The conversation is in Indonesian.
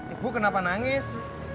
ibu kenapa nangis